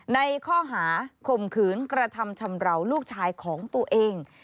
ในข้อหาข่มขืนกระทำชำราวลูกชายของตัวเอง